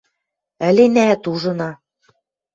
– Ӹленӓӓт, ужына.